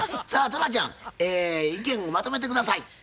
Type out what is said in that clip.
さあトラちゃん意見をまとめて下さい。